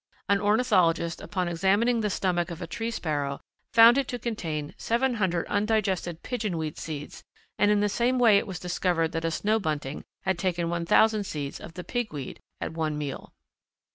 An ornithologist, upon examining the stomach of a Tree Sparrow, found it to contain seven hundred undigested pigeon weed seeds, and in the same way it was discovered that a Snow Bunting had taken one thousand seeds of the pigweed at one meal.